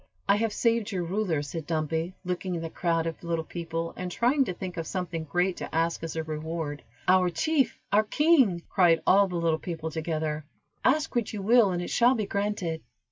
"I have saved your ruler," said Dumpy, looking at the crowd of little people, and trying to think of something great to ask as a reward. "Our chief! our king!" cried all the little people, together. "Ask what you will and it shall be granted."